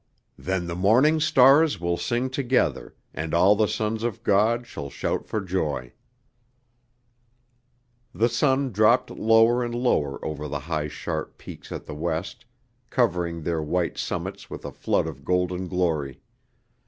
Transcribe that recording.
"Then the morning stars will sing together, and all the sons of God shall shout for joy." The sun dropped lower and lower over the high sharp peaks at the west, covering their white summits with a flood of golden glory.